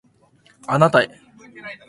あなたへ